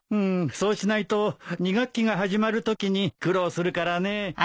そうしないと２学期が始まるときに苦労するからね。